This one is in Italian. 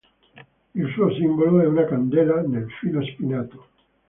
Il suo simbolo è una candela nel filo spinato.